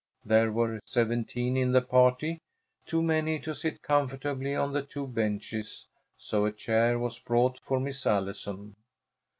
There were seventeen in the party, too many to sit comfortably on the two benches, so a chair was brought for Miss Allison.